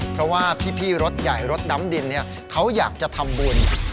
เพราะว่าพี่รถใหญ่รถดำดินเขาอยากจะทำบุญ